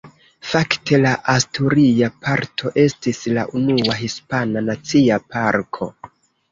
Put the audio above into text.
Fakte la asturia parto estis la unua hispana nacia parko.